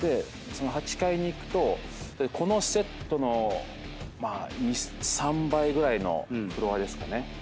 ８階に行くとこのセットの２３倍ぐらいのフロアですかね。